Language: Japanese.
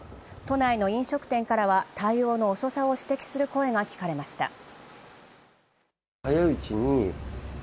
都内の飲食店からは対応の遅さを指摘する声が聞かれました。